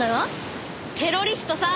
テロリストさ。